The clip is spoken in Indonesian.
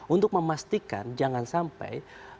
untuk memastikan jangan sampai